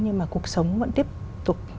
nhưng mà cuộc sống vẫn tiếp tục